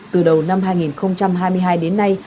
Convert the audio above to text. từ đầu năm hai nghìn hai mươi hai đến nay